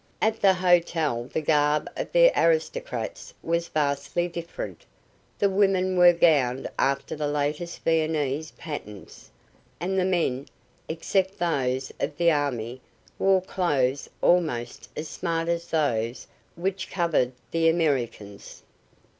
At the hotel the garb of the aristocrats was vastly different. The women were gowned after the latest Viennese patterns, and the men, except those of the army, wore clothes almost as smart as those which covered the Americans.